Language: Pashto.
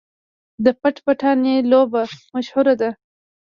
د پټ پټانې لوبه مشهوره ده.